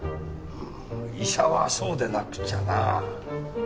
うん医者はそうでなくっちゃな。